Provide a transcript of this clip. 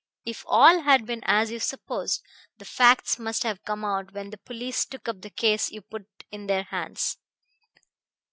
If all had been as you supposed, the facts must have come out when the police took up the case you put in their hands.